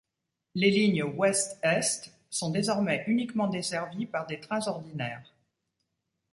Les lignes ouest-est sont désormais uniquement desservies par des trains ordinaires.